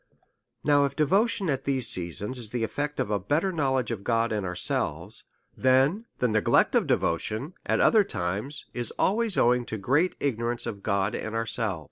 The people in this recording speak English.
Now if devotion at these seasons is the etVect of a better knowledge of God and ourselves, then the neglect of devotion, at other times, is always owing to great ignorance of God and ourselves.